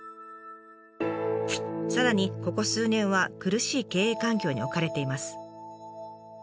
さらにここ数年は苦しい経営環境に置かれています。